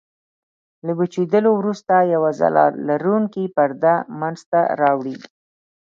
له وچېدلو وروسته یوه ځلا لرونکې پرده منځته راوړي.